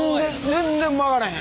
全然曲がらへん。